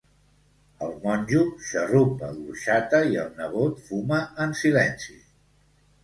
El monjo xarrupa l'orxata i el nebot fuma en silenci.